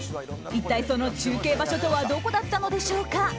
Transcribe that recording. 一体その中継場所とはどこだったのでしょうか？